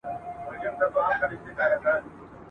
د اوسني ټولنيز نظام